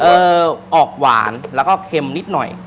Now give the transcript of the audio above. ออกหวานแล้วก็เค็มนิดหน่อย